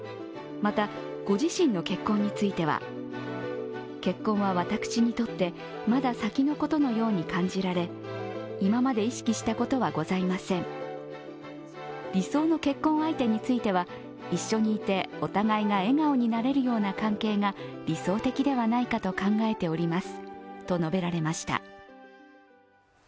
また、ご自身の結婚については結婚は私にとってまだ先のことのように感じられ今まで意識したことはございません、理想の結婚相手については一緒にいて、お互いが笑顔になれるような関係が理想的ではないかと考えておりますと述べられました。